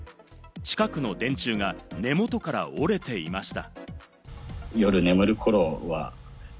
近くの電柱が根元から折れていました。